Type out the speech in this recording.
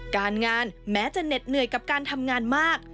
การงานแม้จะเหน็ดเหนื่อยกับการทำงานมาก